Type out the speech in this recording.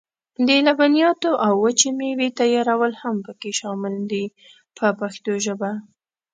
د لبنیاتو او وچې مېوې تیارول هم پکې شامل دي په پښتو ژبه.